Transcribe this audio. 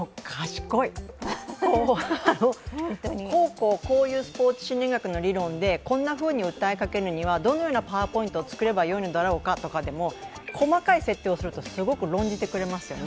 こうこう、こういうスポーツ心理学の部門でこんなふうに訴えかけるにはどのようなパワーポイントを作ればいいだろうかとか、細かい設定をするとすごく論じてくれますよね。